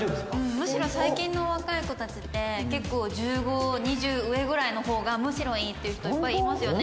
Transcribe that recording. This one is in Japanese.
むしろ最近の若い子たちって結構１５２０上ぐらいの方がむしろいいっていう人いっぱいいますよね。